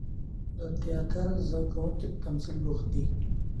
د تیاتر زده کوونکي په تمثیل بوخت دي.